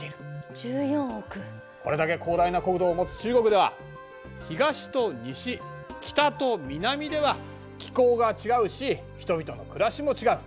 これだけ広大な国土を持つ中国では東と西北と南では気候が違うし人々の暮らしも違う。